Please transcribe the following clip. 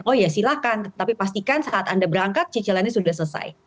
oh ya silahkan tapi pastikan saat anda berangkat cicilannya sudah selesai